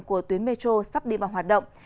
của tuyến metro sắp đi vào hoạt động